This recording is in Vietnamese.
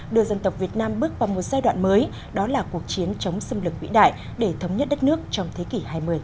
đưa dân tộc việt nam bước vào một giai đoạn mới đó là cuộc chiến chống xâm lực vĩ đại để thống nhất đất nước trong thế kỷ hai mươi